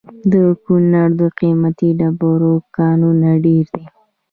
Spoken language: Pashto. د کونړ د قیمتي ډبرو کانونه ډیر دي